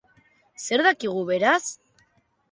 Zer dakigu beraz?